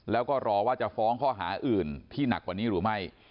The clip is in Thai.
แล้วก็รอว่าจะฟ้องข้อหาอื่นที่หนักกว่านี้หรือไม่